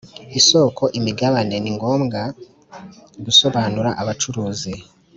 isoko imigabane ni ngombwa gusobanura abacuruzi